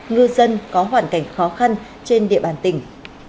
ngư dân có hoàn cảnh khó khăn trên địa bàn tỉnh